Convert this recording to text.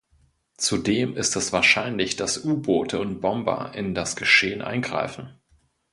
Zudem ist es wahrscheinlich, dass U-Boote und Bomber in das Geschehen eingreifen.